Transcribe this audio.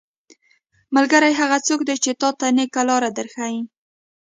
ملګری هغه څوک دی چې تاته نيکه لاره در ښيي.